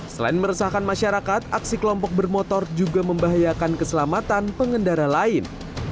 selain meresahkan masyarakat aksi kelompok bermotor juga membahayakan keselamatan pengendara lain